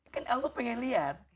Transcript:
kan allah pengen lihat